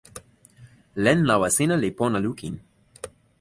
len lawa sina li pona lukin.